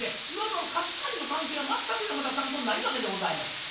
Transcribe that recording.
いわゆる貸し借りの関係は全く山田さんとないわけでございます。